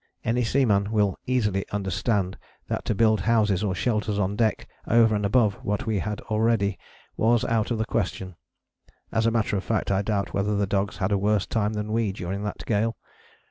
Any seaman will easily understand that to build houses or shelters on deck over and above what we had already was out of the question. As a matter of fact I doubt whether the dogs had a worse time than we during that gale.